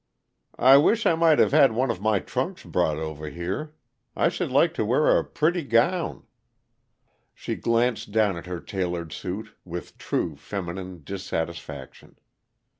I wish I might have had one of my trunks brought over here; I should like to wear a pretty gown." She glanced down at her tailored suit with true feminine dissatisfaction.